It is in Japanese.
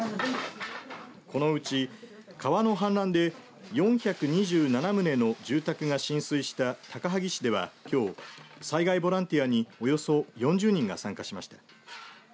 このうち川の氾濫で４２７棟の住宅が浸水した高萩市ではきょう災害ボランティアにおよそ４０人が参加しました。